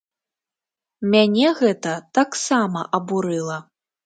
Мяне гэта таксама абурыла.